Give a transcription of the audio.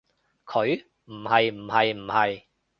佢？唔係唔係唔係